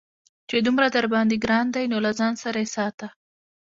چې دومره درباندې گران دى نو له ځان سره يې ساته.